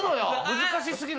難しすぎる。